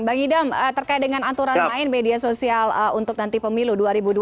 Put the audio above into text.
bang idam terkait dengan aturan main media sosial untuk nanti pemilu dua ribu dua puluh